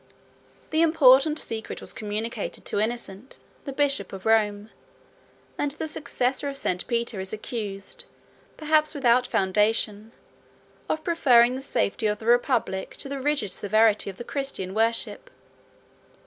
77 The important secret was communicated to Innocent, the bishop of Rome; and the successor of St. Peter is accused, perhaps without foundation, of preferring the safety of the republic to the rigid severity of the Christian worship.